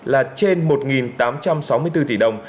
là trên một tám trăm sáu mươi bốn tỷ đồng